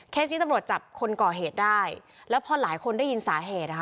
ที่ตำรวจจับคนก่อเหตุได้แล้วพอหลายคนได้ยินสาเหตุนะคะ